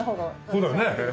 そうだよね？